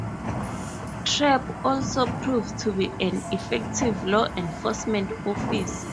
Trapp also proved to be an effective law enforcement officer.